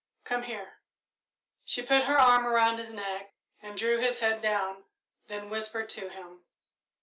"Come here." She put her arm around his neck and drew his head down, then whispered to him.